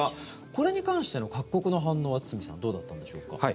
これに関しての各国の反応は堤さんどうだったんでしょうか。